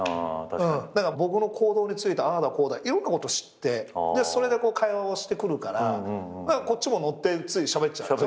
だから僕の行動についてああだこうだいろんなこと知ってそれで会話をしてくるからこっちも乗ってついしゃべっちゃうでしょ。